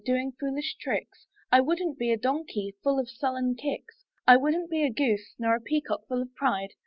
Doing foolish tricks; I wouldn't be a donkey. Full of sullen kicks; I wouldn't be a goose, Nor a peacock full of pride.